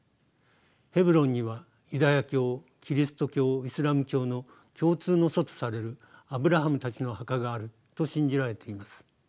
ヘブロンにはユダヤ教キリスト教イスラム教の共通の祖とされるアブラハムたちの墓があると信じられています。